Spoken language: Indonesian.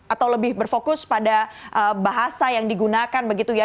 atau lebih berfokus pada bahasa yang digunakan begitu ya